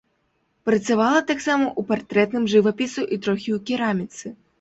Працавала таксама ў партрэтным жывапісу і трохі ў кераміцы.